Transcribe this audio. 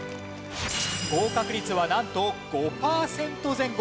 合格率はなんと５パーセント前後！